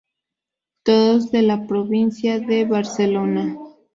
Todos de la provincia de Barcelona.